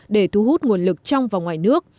để thu hút nguồn lực trong và ngoài nước